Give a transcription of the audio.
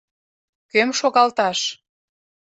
— Кӧм шогалташ?